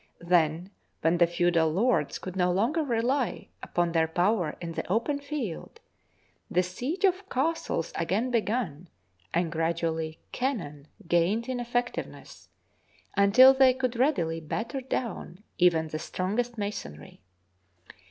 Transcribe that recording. Then, when the feudal lords could no longer rely upon their power in the open field, the siege of castles again began, and gradu ally cannon gained in effectiveness until they could readily batter down even the strongest masonry.